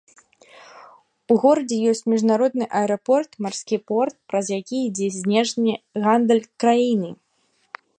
У горадзе ёсць міжнародны аэрапорт, марскі порт, праз які ідзе знешні гандаль краіны.